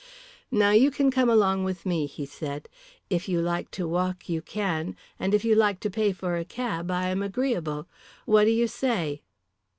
"Now you can come along with me," he said. "If you like to walk you can, and if you like to pay for a cab I am agreeable. What do you say?"